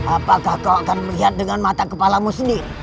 apakah kau akan melihat dengan mata kepalamu sendiri